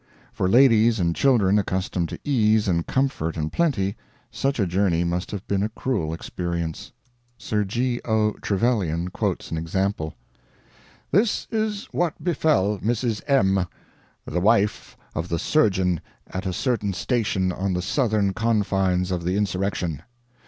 For ladies and children accustomed to ease and comfort and plenty, such a journey must have been a cruel experience. Sir G. O. Trevelyan quotes an example: "This is what befell Mrs. M , the wife of the surgeon at a certain station on the southern confines of the insurrection.